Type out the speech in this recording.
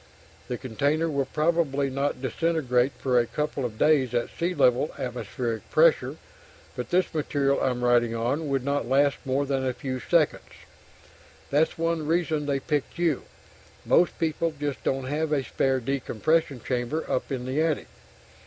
The container will probably not disintegrate for a couple of days at sea level atmospheric pressure, but this material I'm writing on would not last more than a few seconds. That's one reason they picked you most people just don't have a spare decompression chamber up in the attic!